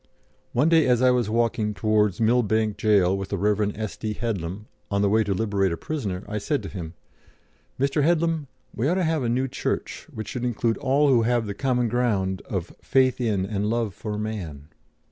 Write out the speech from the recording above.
One day as I was walking towards Millbank Gaol with the Rev. S.D. Headlam, on the way to liberate a prisoner, I said to him: 'Mr. Headlam, we ought to have a new Church, which should include all who have the common ground of faith in and love for man.'